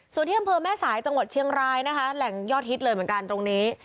ส่วนที่อำเภอแม่สายจังหวัดเชียงรายนะคะแหล่งยอดฮิตเลยเหมือนกันตรงนี้